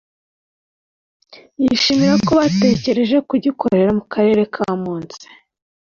yishimira ko batekereje kugikorera mu karere ka Mons